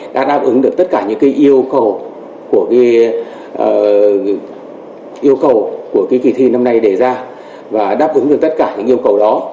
đã đáp ứng được tất cả những cái yêu cầu của cái kỳ thi năm nay đề ra và đáp ứng được tất cả những yêu cầu đó